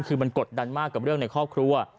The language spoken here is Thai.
ที่เกิดขึ้นคือมันกดดันมากกว่าเรื่องในครอบครัว